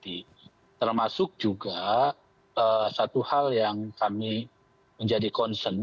terus termasuk juga satu hal yang kami menjadi konsen